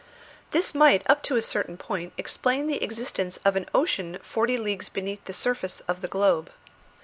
This might up to a certain point explain the existence of an ocean forty leagues beneath the surface of the globe.